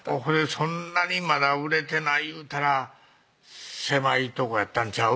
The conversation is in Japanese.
そんなにまだ売れてないいうたら狭いとこやったんちゃう？